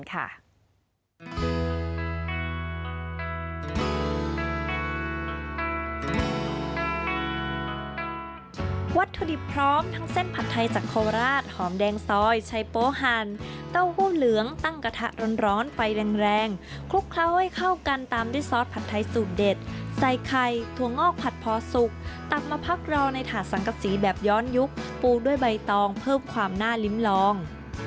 วัตถุดิบพร้อมทั้งเส้นผัดไทยจากโคราชหอมแดงซอยชัยโปหันเต้าหู้เหลืองตั้งกระทะร้อนไฟแรงคลุกเคล้าให้เข้ากันตามด้วยซอสผัดไทยสูตรเด็ดใส่ไข่ถั่วงอกผัดพอสุกตักมาพักรองในถาดสังกษีแบบย้อนยุคปูด้วยใบตองเพิ่มความน่าลิ้มลอง